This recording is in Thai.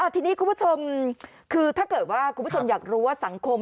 ทีนี้คุณผู้ชมคือถ้าเกิดว่าคุณผู้ชมอยากรู้ว่าสังคม